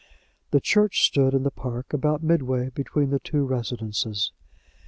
The church stood in the park, about midway between the two residences.